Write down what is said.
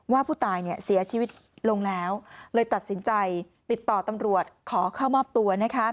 ว่าผู้ตายเสียชีวิตลงแล้วเลยตัดสินใจติดต่อตำรวจขอเข้ามอบตัว